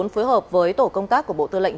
phối hợp với tổ công tác của bộ tư lệnh